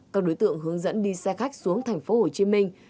các đối tượng hướng dẫn đi xe khách xuống thành phố hồ chí minh